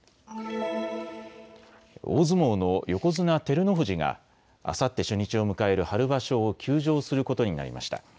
大相撲の横綱・照ノ富士があさって初日を迎える春場所を休場することになりました。